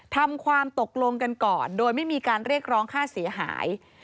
ทำความตกลงกันก่อนโดยไม่มีการเรียกร้องค่าเสียหาย